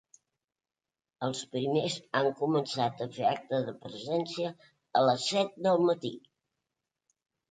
Els primers han començat a fer acte de presència a les set del matí.